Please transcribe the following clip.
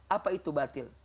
apa itu batil